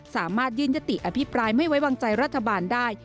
สามารถยื่นยติอภิปรายไม่ไว้วางใจรัฐบาลได้